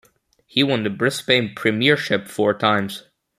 He won the Brisbane premiership four times.